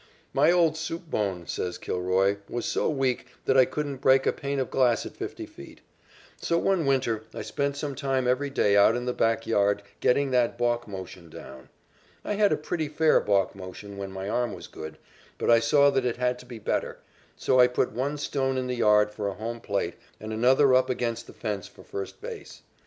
"My old soup bone," says Kilroy, "was so weak that I couldn't break a pane of glass at fifty feet. So one winter I spent some time every day out in the back yard getting that balk motion down. I had a pretty fair balk motion when my arm was good, but I saw that it had to be better, so I put one stone in the yard for a home plate and another up against the fence for first base.